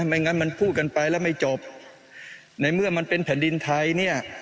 ไม่งั้นมันพูดกันไปแล้วไม่จบในเมื่อมันเป็นแผ่นดินไทยเนี่ย